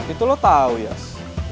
itu lo tau yas